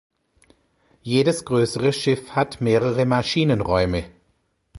Jedes größere Schiff hat mehrere Maschinenräume.